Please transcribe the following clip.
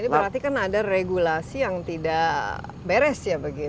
berarti kan ada regulasi yang tidak beres ya begitu